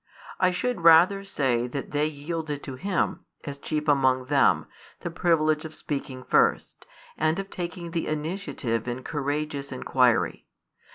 I should rather say that they yielded to him, as chief among them, the privilege of speaking first, and of taking the initiative in courageous inquiry.